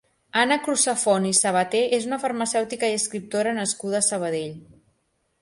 Anna Crusafont i Sabater és una farmacèutica i escriptora nascuda a Sabadell.